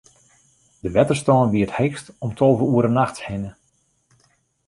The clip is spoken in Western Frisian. De wetterstân wie it heechst om tolve oere nachts hinne.